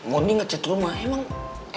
mondi ngecat rumah